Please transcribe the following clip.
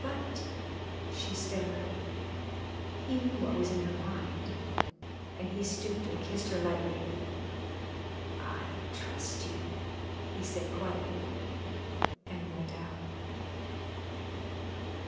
"But " she stammered. He knew what was in her mind, and he stooped and kissed her lightly. "I trust you," he said quietly, and went out.